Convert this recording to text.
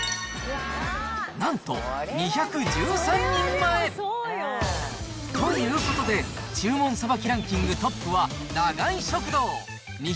なんと２１３人前。ということで、注文さばきランキングトップは、永井食堂。